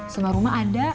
semua rumah ada